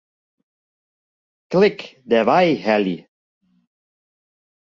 Klik Dêrwei helje.